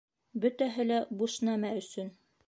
Бөтәһе лә буш нәмә өсөн.